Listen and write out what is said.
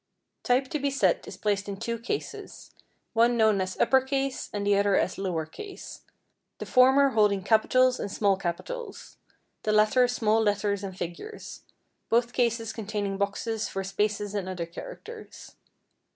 Type to be set is placed in two cases, one known as upper case and the other as lower case, the former holding capitals and small capitals; the latter small letters and figures, both cases containing boxes for spaces and other characters.